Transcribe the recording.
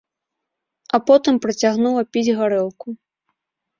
А потым працягнула піць гарэлку.